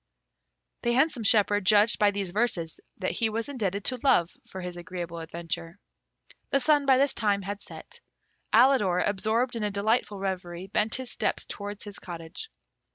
The handsome shepherd judged by these verses that he was indebted to Love for his agreeable adventure. The sun, by this time, had set. Alidor, absorbed in a delightful reverie, bent his steps towards his cottage.